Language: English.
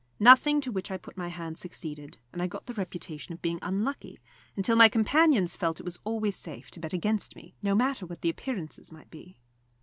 Nothing to which I put my hand succeeded, and I got the reputation of being unlucky, until my companions felt it was always safe to bet against me, no matter what the appearances might be.